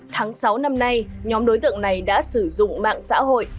tháng sáu năm nay nhóm đối tượng này đã sử dụng mạng xã hội